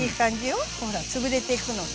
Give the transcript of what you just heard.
ほら潰れていくのね。